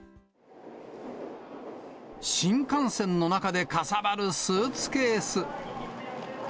新幹線の中でかさばるスーツケース。